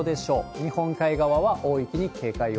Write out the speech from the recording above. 日本海側は大雪に警戒を。